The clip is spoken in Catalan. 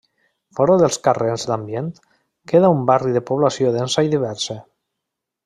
Fora dels carrers d'ambient, queda un barri de població densa i diversa.